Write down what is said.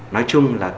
nói chung là